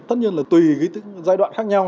tất nhiên là tùy giai đoạn khác nhau